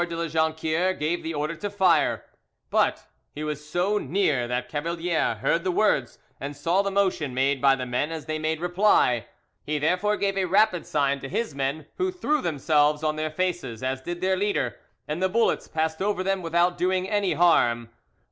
de La Jonquiere gave the order to fire, but he was so near that Cavalier heard the words and saw the motion made by the men as they made ready; he therefore gave a rapid sign to his men, who threw themselves on their faces, as did their leader, and the bullets passed over them without doing any harm M.M.